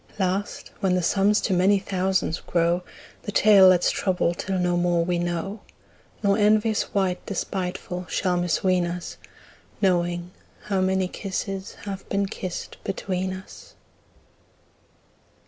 Last when the sums to many thousands grow, 10 The tale let's trouble till no more we know, Nor envious wight despiteful shall misween us Knowing how many kisses have been kissed between us.